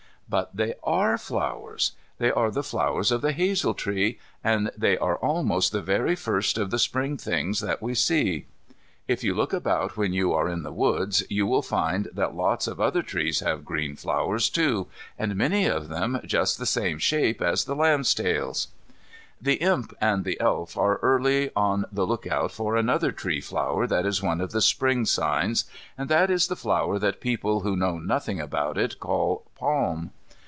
But they are flowers. They are the flowers of the hazel tree, and they are almost the very first of the Spring things that we see. If you look about when you are in the woods you will find that lots of other trees have green flowers, too, and many of them just the same shape as the lambstails. The Imp and the Elf are early on the look out for another tree flower that is one of the Spring signs, and that is the flower that people who know nothing about it call "palm."